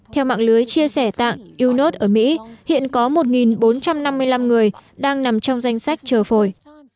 theo mạng lưới chia sẻ tạng unos ở mỹ hiện có một bốn trăm năm mươi năm người đang nằm trong danh sách chờ phổi